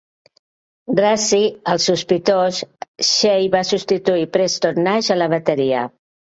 Racci "el Sospitós" Shay va substituir Preston Nash a la bateria.